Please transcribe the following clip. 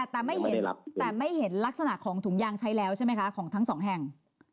แต่ไม่เห็นแต่ไม่เห็นลักษณะของถุงยางใช้แล้วใช่ไหมคะของทั้งสองแห่ง